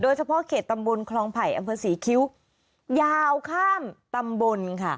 เฉพาะเขตตำบลคลองไผ่อำเภอศรีคิ้วยาวข้ามตำบลค่ะ